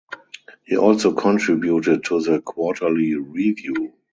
He also contributed to the "Quarterly Review".